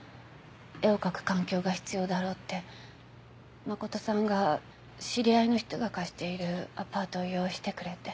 絵を描く環境が必要だろうって誠さんが知り合いの人が貸しているアパートを用意してくれて。